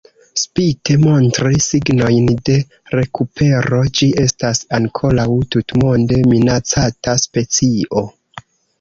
Spite montri signojn de rekupero, ĝi estas ankoraŭ tutmonde minacata specio.